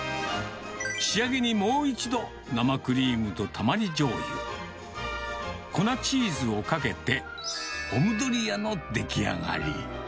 仕上げにもう一度、生クリームとたまりじょうゆ、粉チーズをかけて、オムドリアの出来上がり。